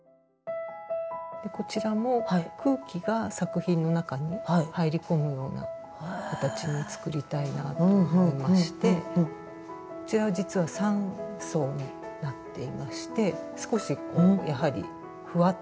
こちらも空気が作品の中に入り込むような形に作りたいなと思いましてこちらは実は３層になっていまして少しこうやはりふわっと立体的に。